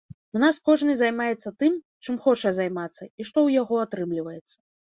У нас кожны займаецца тым, чым хоча займацца, і што ў яго атрымліваецца.